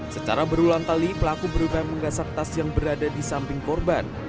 secara berulang kali pelaku berupaya menggasak tas yang berada di samping korban